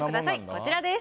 こちらです。